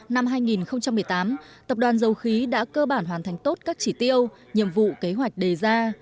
năm hai nghìn một mươi tám tập đoàn dầu khí đã cơ bản hoàn thành tốt các chỉ tiêu nhiệm vụ kế hoạch đề ra